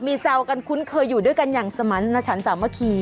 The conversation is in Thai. มีแซวกันคุ้นเคยอยู่ด้วยกันอย่างสมันต์นะฉันสามารถคีย์